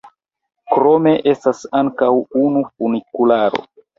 Krome estas ankaŭ unu funikularo.